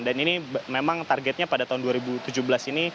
dan ini memang targetnya pada tahun dua ribu tujuh belas ini